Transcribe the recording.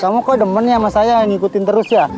kamu kok demen ya sama saya ngikutin terus ya